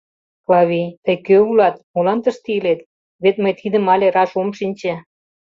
Клавий, тый кӧ улат, молан тыште илет, вет мый тидым але раш ом шинче.